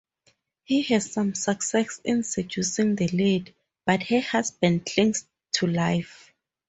He has some success in seducing the lady, but her husband clings to life.